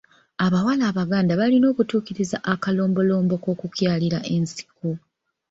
Abawala Abaganda balina okutuukiriza akalombolombo k’okukyalira ensiko.